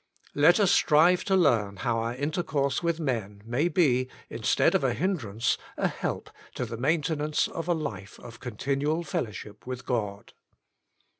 Let us strive to learn how our inter course with men, may be, instead of a hindrance, a help to the maintenance of a life of continual fellowship with God.